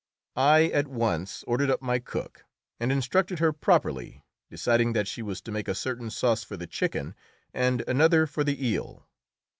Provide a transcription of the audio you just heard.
I at once ordered up my cook and instructed her properly, deciding that she was to make a certain sauce for the chicken and another for the eel.